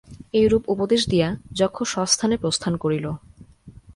এইরূপ উপদেশ দিয়া যক্ষ স্বস্থানে প্রস্থান করিল।